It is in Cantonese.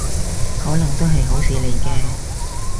可能都係好事嚟嘅